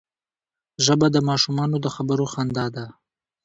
ژبه د ماشومانو د خبرو خندا ده